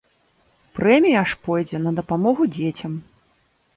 Прэмія ж пойдзе на дапамогу дзецям.